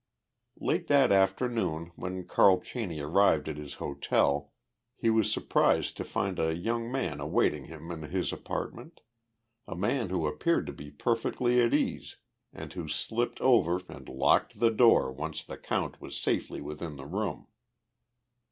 Late that afternoon when Carl Cheney arrived at his hotel he was surprised to find a young man awaiting him in his apartment a man who appeared to be perfectly at ease and who slipped over and locked the door once the count was safely within the room.